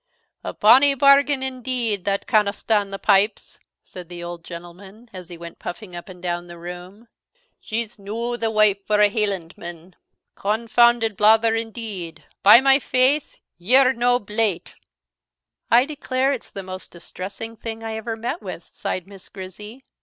"A bonny bargain, indeed, that canna stand the pipes," said the old gentleman, as he went puffing up and down the room. "She's no the wife for a Heelandman. Confoonded blather, indeed! By my faith, ye're no blate!" "I declare it's the most distressing thing I ever met with," sighed Miss Grizzy.